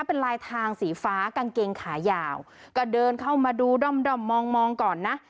เป็นลายทางสีฟ้ากางเกงขายาวก็เดินเข้ามาดูด้อมด้อมมองมองก่อนนะ